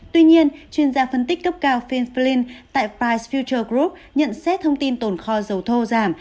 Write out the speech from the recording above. tuy nhiên chuyên gia phân tích cấp cao phil flynn tại price future group nhận xét thông tin tồn kho dầu thô giảm